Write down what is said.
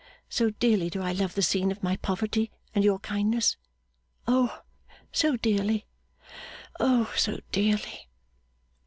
So dearly do I love the scene of my poverty and your kindness. O so dearly, O so dearly!